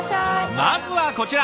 まずはこちら。